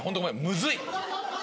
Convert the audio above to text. むずい！